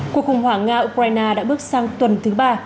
cuộc khủng hoảng nga ukraine đã bước sang tuần thứ ba